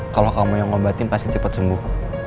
kalau kamu yang ngobatin pasti cepat sembuh